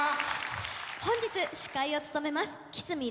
本日司会を務めます木須実怜